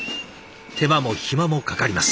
手間も暇もかかります。